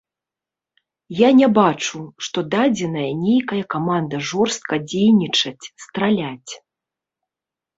Я не бачу, што дадзеная нейкая каманда жорстка дзейнічаць, страляць.